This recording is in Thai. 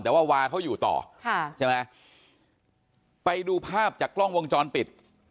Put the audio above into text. แต่ว่าวาเขาอยู่ต่อค่ะใช่ไหมไปดูภาพจากกล้องวงจรปิด